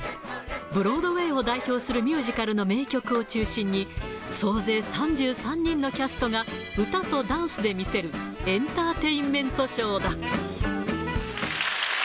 ブロードウェイを代表するミュージカルの名曲を中心に、総勢３３人のキャストが、歌とダンスで魅せる、エンターテインメントショーだ。